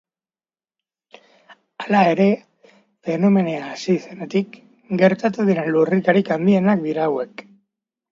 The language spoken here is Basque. Hala ere, fenomenoa hasi zenetik gertatu diren lurrikarik handienak dira.